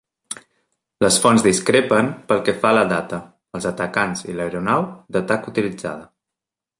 Les fonts discrepen pel que fa a la data, els atacants i l'aeronau d'atac utilitzada.